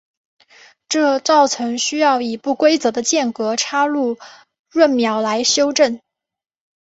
这造成需要以不规则的间隔插入闰秒来修正。